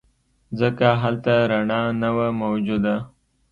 ځکه هلته رڼا نه وه موجوده.